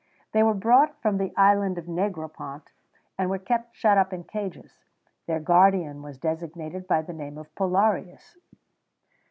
They were brought from the Island of Negropont, and were kept shut up in cages; their guardian was designated by the name of Pullarius.